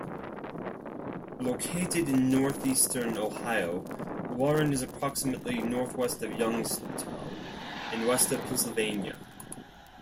Located in northeastern Ohio, Warren is approximately northwest of Youngstown and west of Pennsylvania.